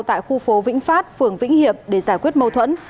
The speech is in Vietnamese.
tại khu phố vĩnh phát phường vĩnh hiệp để giải quyết mâu thuẫn